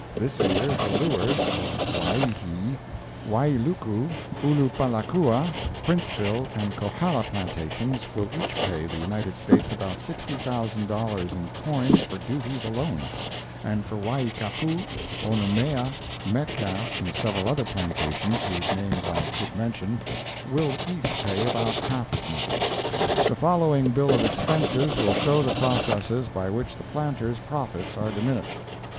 This year the Lewers (or Waihee), Wailuku, Ulupalakua, Princeville and Kohala plantations will each pay the United States about $60,000 in coin for duties alone; and the Waikapu, Onomea, Metcalf's and several other plantations whose names I could mention will each pay about half as much. The following bill of expenses will show the processes by which the planter's profits are diminished.